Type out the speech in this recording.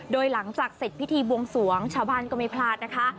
โดยหลังจากเสร็จพิธีบวงสวงชาวบ้านก็ไม่พลาดนะคะ